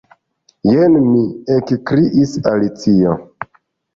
"Jen mi" ekkriis Alicio.